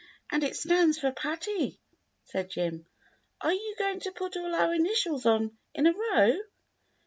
"And it stands for Patty," said Jim. "Are you going to put all our initials on in a row?"